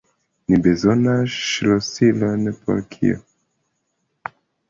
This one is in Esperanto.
Ni bezonas ŝlosilon por kio?